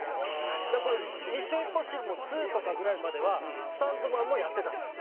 だからこれ『ミッション：インポッシブル』も『２』とかぐらいまではスタントマンもやってたんですよ。